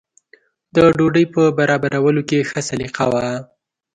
د ډوډۍ په برابرولو کې ښه سلیقه وه.